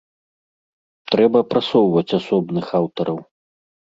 Трэба прасоўваць асобных аўтараў.